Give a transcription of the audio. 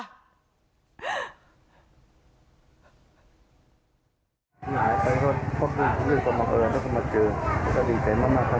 หายไปเขาสมัครเกิดเดี๋ยวมาเจอมันจะดีใจมากมาก